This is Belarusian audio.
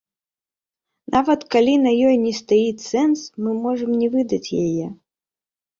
Нават калі на ёй не стаіць цэнз, мы можам не выдаць яе.